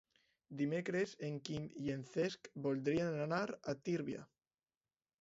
Dimecres en Quim i en Cesc voldrien anar a Tírvia.